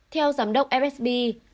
theo giám đốc fsb